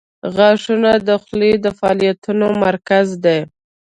• غاښونه د خولې د فعالیتونو مرکز دي.